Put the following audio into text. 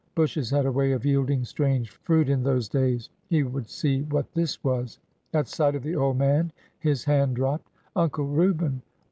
Bushes had a way of yielding strange fruit in those days. He would see what this was. At sight of the old man his hand dropped. "Uncle Reuben!